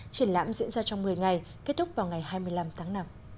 triển lãm diễn ra trong một mươi ngày kết thúc vào ngày hai mươi năm tháng năm